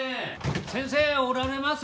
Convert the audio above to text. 先生おられます？